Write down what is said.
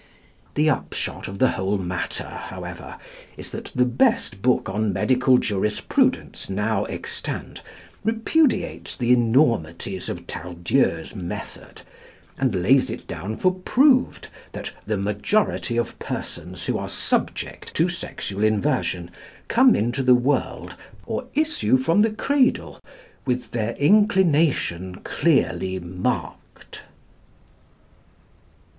The upshot of the whole matter, however, is that the best book on medical jurisprudence now extant repudiates the enormities of Tardieu's method, and lays it down for proved that "the majority of persons who are subject" to sexual inversion come into the world, or issue from the cradle, with their inclination clearly marked.